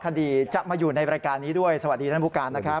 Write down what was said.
คดีจะมาอยู่ในรายการนี้ด้วยสวัสดีท่านผู้การนะครับ